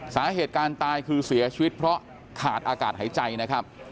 สาเหตุการตายคือเสียชีวิตเพราะขาดอากาศหายใจนะครับ